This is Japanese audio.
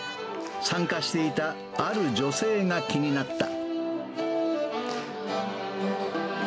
参加していたある女性が気になった。